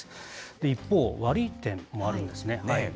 一方、悪い点もあるんですね。